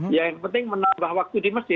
ya yang penting menambah waktu di masjid